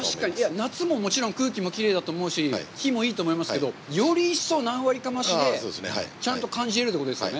夏ももちろん空気もきれいだと思うし、火もいいと思いますけど、より一層、何割か増しでちゃんと感じれるということですね。